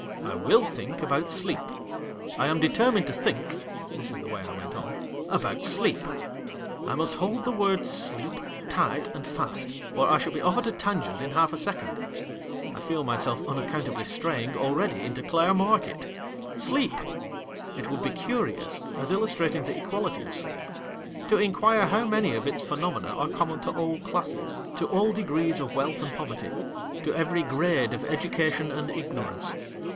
I will think about Sleep. I am determined to think (this is the way I went on) about Sleep. I must hold the word Sleep, tight and fast, or tangent in half a second. I shall be otf at a I feel myself un accountably straying, already, into Clare Market. Sleep. It would be curious, as illustrating the equality of sleep, to inquire how many of its phenomena are common to all classes, to all degrees of wealth and poverty, to every grade of education and ignorance.